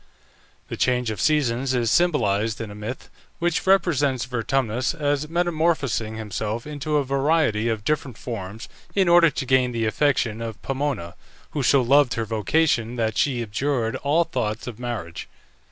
The change of seasons is symbolized in a myth which represents Vertumnus as metamorphosing himself into a variety of different forms in order to gain the affection of Pomona, who so loved her vocation that she abjured all thoughts of marriage.